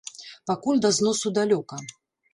Пакуль да зносу далёка.